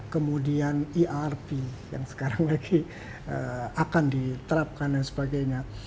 kemudian erp yang sekarang lagi akan diterapkan dan sebagainya